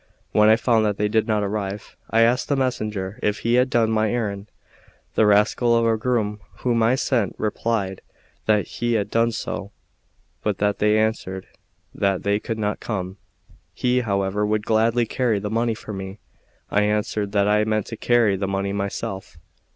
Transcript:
When I found that they did not arrive, I asked the messenger if he had done my errand. The rascal of a groom whom I had sent replied that he had done so, but that they had answered that they could not come; he, however, would gladly carry the money for me. I answered that I meant to carry the money myself.